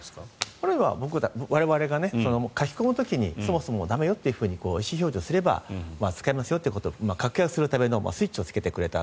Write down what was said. これは我々が書き込む時にそもそも駄目よと意思表示をすれば使えますよという掛け合いをするためのスイッチをつけてくれた。